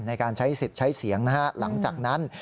ในการใช้สิทธิ์ใช้เสียงนะฮะหลังจากนั้น